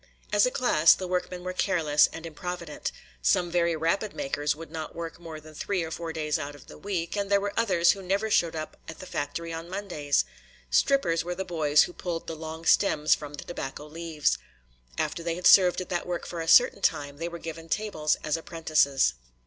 As a class the workmen were careless and improvident; some very rapid makers would not work more than three or four days out of the week, and there were others who never showed up at the factory on Mondays. "Strippers" were the boys who pulled the long stems from the tobacco leaves. After they had served at that work for a certain time they were given tables as apprentices.